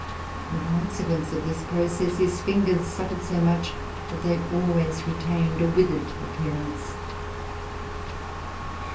In consequence of this process his fingers suffered so much that they always retained a withered appearance.